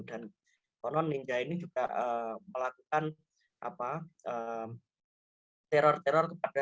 dan korban ninja ini juga melakukan teror teror kepada